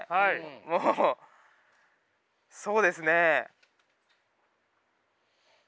もうそうですね。